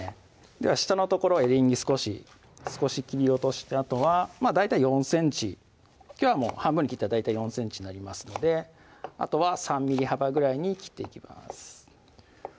では下の所をエリンギ少し切り落としてあとは大体４ｃｍきょうはもう半分に切ったら大体４ｃｍになりますのであとは３ｍｍ幅ぐらいに切っていきます